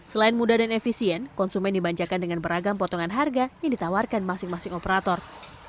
selain mudah dan efisien konsumen dibanjakan dengan beragam potongan harga yang ditawarkan masing masing operator